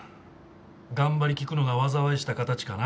頑張りきくのが災いした形かな。